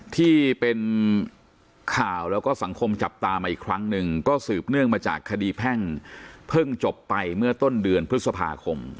ที่เป็นข่าวแล้วก็สังคมจับตามาอีกครั้งหนึ่งก็สืบเนื่องมาจากคดีแพ่งเพิ่งจบไปเมื่อต้นเดือนพฤษภาคม